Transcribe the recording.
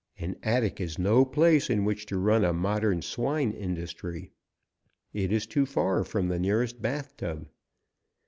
An attic is no place in which to run a modern swine industry. It is too far from the nearest bath tub.